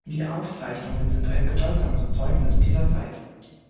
Diese Aufzeichnungen sind ein bedeutsames Zeugnis dieser Zeit.